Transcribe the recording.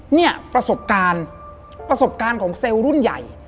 เนี่ยประสบการณ์ประสบการณ์ของเซลล์รุ่นใหญ่